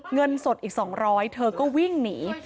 เงินสดอีกสองร้อยเธอก็วิ่งหนี